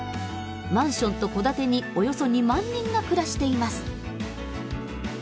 マンションと戸建てにおよそ２万人が暮らしています。